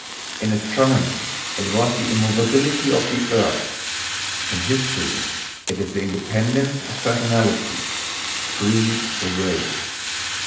In astronomy it was the immovability of the earth, in history it is the independence of personality—free will.